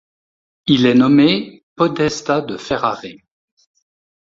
Il est nommé podestat de Ferrare.